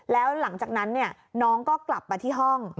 แล้วหลังจากนั้นน้องก็กลับมาที่ห้อง